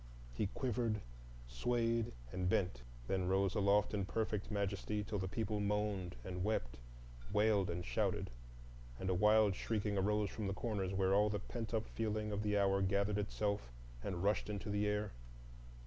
He quivered, swayed, and bent; then rose aloft in perfect majesty, till the people moaned and wept, wailed and shouted, and a wild shrieking arose from the corners where all the pent up feeling of the hour gathered itself and rushed into the air.